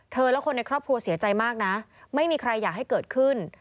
และคนในครอบครัวเสียใจมากนะไม่มีใครอยากให้เกิดขึ้น